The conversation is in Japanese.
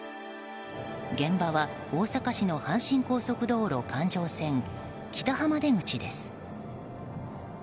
現場は大阪市の阪神高速道路環状線北浜出口です。